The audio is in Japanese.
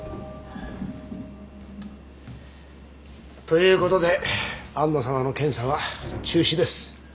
ということで安野さまの検査は中止です。